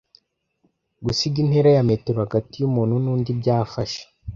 Gusiga intera ya metero hagati y’umuntu nundi byafasha.